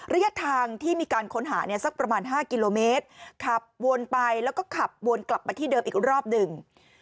ระยะทางที่มีการค้นหาเนี่ยสักประมาณ๕กิโลเมตรขับวนไปแล้วก็ขับวนกลับมาที่เดิมอีกรอบหนึ่ง